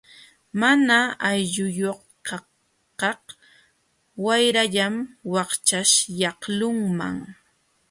Mana aylluyuq kaqkaq wayrallam wakchaśhyaqlunman.